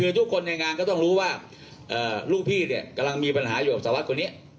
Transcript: คือทุกคนในงานก็ต้องรู้ว่าลูกพี่เนี่ยกำลังมีปัญหาอยู่กับสารวัตรคนนี้